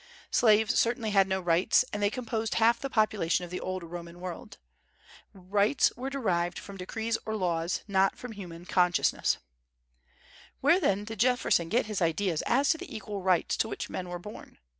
Slaves certainly had no rights, and they composed half the population of the old Roman world. Rights were derived from decrees or laws, not from human consciousness. Where then did Jefferson get his ideas as to the equal rights to which men were born?